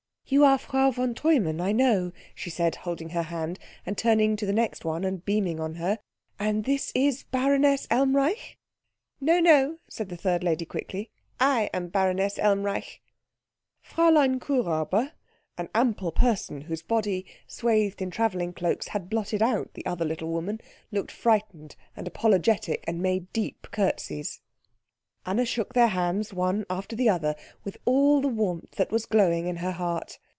"You are Frau von Treumann, I know," she said, holding her hand, and turning to the next one and beaming on her, "and this is Baroness Elmreich?" "No, no," said the third lady quickly, "I am Baroness Elmreich." Fräulein Kuhräuber, an ample person whose body, swathed in travelling cloaks, had blotted out the other little woman, looked frightened and apologetic, and made deep curtseys. Anna shook their hands one after the other with all the warmth that was glowing in her heart.